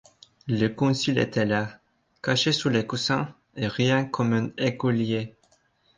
Le Consul était là, caché sous les coussins, et riant comme un écolier.